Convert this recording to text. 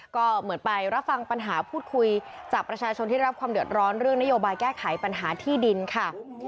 ก็เหมือนไปรับฟังปัญหาพูดคุยจากประชาชนที่รับความเดือดร้อนเรื่องนโยบายแก้ไขปัญหาที่ดินค่ะ